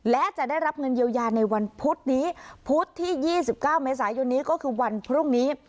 และจะได้รับเงินเยียวยาในวันพุธนี้พุธที่๒๙เมษายนนี้ก็คือวันพรุ่งนี้